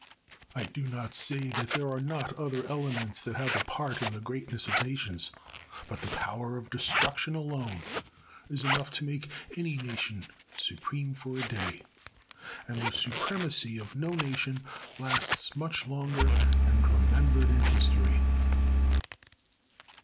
I do not say that there are not other elements that have a part in the greatness of nations. But the power of destruction alone is enough to make any nation supreme for a day and the supremacy of no nation lasts much longer and remembered in history.